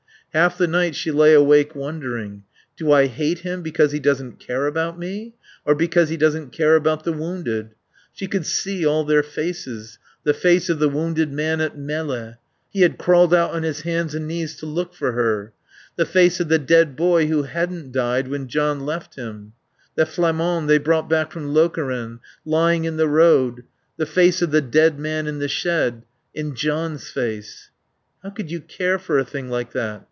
Half the night she lay awake wondering: Do I hate him because he doesn't care about me? Or because he doesn't care about the wounded? She could see all their faces: the face of the wounded man at Melle (he had crawled out on his hands and knees to look for her); the face of the dead boy who hadn't died when John left him; the Flamand they brought from Lokeren, lying in the road; the face of the dead man in the shed And John's face. How could you care for a thing like that?